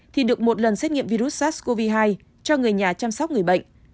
thì được một lần xét nghiệm virus sars cov hai cho người nhà chăm sóc người bệnh